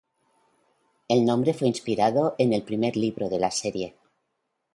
El nombre fue inspirado en el primer libro de la serie.